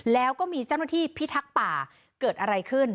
แล้วก็มีเจ้าหน้าที่พิทักษ์ป่าเกิดอะไรขึ้น